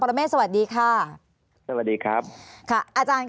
ภารกิจสรรค์ภารกิจสรรค์